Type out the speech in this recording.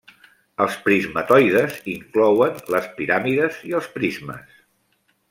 Els prismatoides inclouen les piràmides i els prismes.